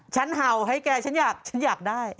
ฉันเห่าให้แกฉันอยากได้